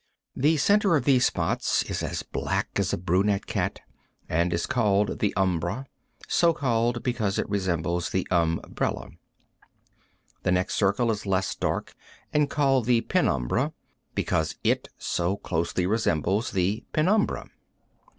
The center of these spots is as black as a brunette cat, and is called the umbra, so called because it resembles an umbrella. The next circle is less dark, and called the penumbra, because it so closely resembles the penumbra.